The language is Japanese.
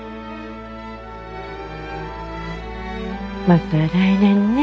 また来年ね。